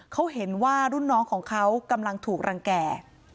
เขาเห็นว่ารุ่นน้องของเขากำลังถูกรังแก่